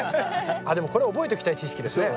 でもこれ覚えときたい知識ですね。